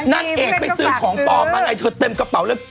นางเอกไปซื้อของปลอมมาไงเธอเต็มกระเป๋าเลย